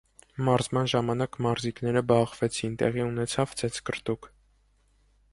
Մարզման ժամանակ մարզիկները բախվեցին, տեղի ունեցավ ծեծկռտուք։